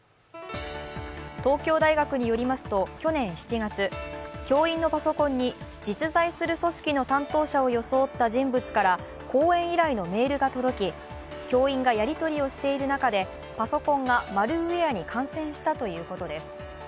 東京大学によりますと去年７月、教員のパソコンに実在する組織の担当者を装った人物から講演依頼のメールが届き、教員がやり取りをしている中でパソコンがマルウエアに感染したということです。